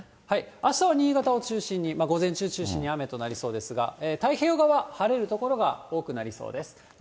あしたは新潟を中心に、午前中中心に雨となりそうですが、太平洋側、晴れる所が多くなりそうです。